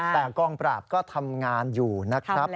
แต่กองปราบก็ทำงานอยู่นะครับ